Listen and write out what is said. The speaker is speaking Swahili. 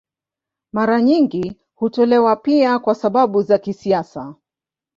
Mara nyingi hutolewa pia kwa sababu za kisiasa.